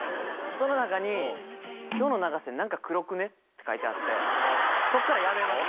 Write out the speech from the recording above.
その中に「今日の永瀬何か黒くね？」って書いてあってそこからやめました。